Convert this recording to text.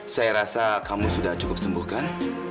saya rasa kamu sudah cukup sembuhkan